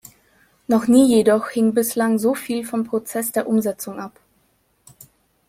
Noch nie jedoch hing bislang so viel vom Prozess der Umsetzung ab.